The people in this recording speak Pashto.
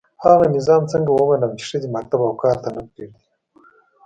هغه نظام څنګه ومنم چي ښځي مکتب او کار ته نه پزېږدي